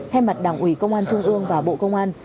thay mặt đảng ủy công an trung ương và bộ công an